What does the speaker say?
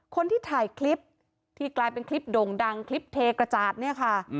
คนที่ถ่ายคลิปที่กลายเป็นคลิปโด่งดังคลิปเทกระจาดเนี่ยค่ะ